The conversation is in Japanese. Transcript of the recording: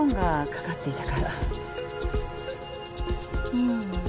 うん。